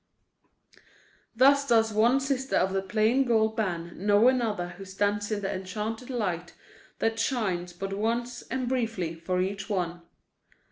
Thus does one sister of the plain gold band know another who stands in the enchanted light that shines but once and briefly for each one.